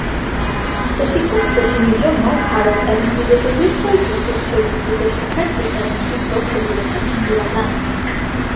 প্রশিক্ষণ সেশনের জন্য ভারত এবং বিদেশের বেশ কয়েকজন উৎসর্গীকৃত শিক্ষার্থী এবং শিক্ষক প্রতিবছর ইন্দিরা যান।